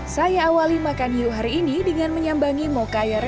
saya awali makan hiu hari ini dengan menyambangi mokaya raya